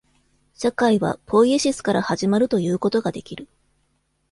社会はポイエシスから始まるということができる。